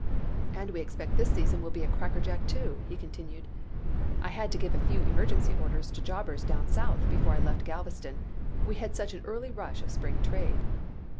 "And we expect this season will be a crackerjack, too," he continued. "I had to give a few emergency orders to jobbers down South before I left Galveston, we had such an early rush of spring trade."